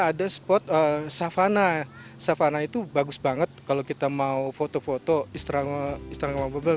ada spot savana savana itu bagus banget kalau kita mau foto foto istirahat mobil